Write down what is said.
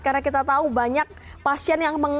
karena kita tahu banyak pasien yang mengandung